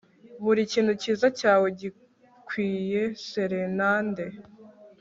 buri kintu cyiza cyawe gikwiye serenade